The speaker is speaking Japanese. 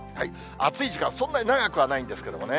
暑い時間、そんなに長くはないんですけどね。